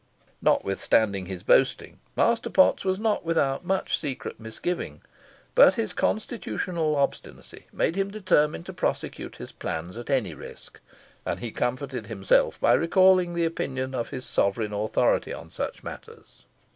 Notwithstanding his boasting, Master Potts was not without much secret misgiving; but his constitutional obstinacy made him determine to prosecute his plans at any risk, and he comforted himself by recalling the opinion of his sovereign authority on such matters.